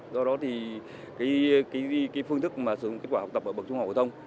do đó thì phương thức sử dụng kết quả học tập ở bậc trung học phổ thông